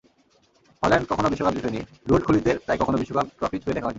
Holland কখনো বিশ্বকাপ জেতেনি, রুড খুলিতের তাই কখনো বিশ্বকাপ ট্রফি ছুঁয়ে দেখা হয়নি।